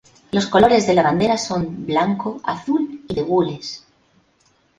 Los colores de la bandera son: blanco, azul y de gules.